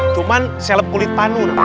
cuman selep kulit panu namanya